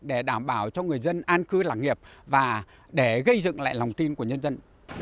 để đảm bảo cho người dân an cư làng nghiệp và để gây dựng lại lòng tin của nhân dân